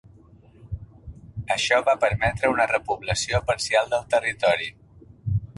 Això va permetre una repoblació parcial del territori.